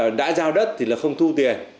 đó là đã giao đất thì là không thu tiền